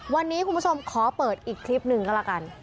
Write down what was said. วันนี้คุณผู้ชมขอเปิดอีกคลิปหนึ่งก็แล้วกัน